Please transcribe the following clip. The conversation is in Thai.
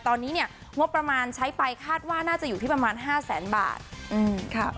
ตอนนี้เนี่ยงบประมาณใช้ไปคาดว่าน่าจะอยู่ที่ประมาณ๕แสนบาทค่ะ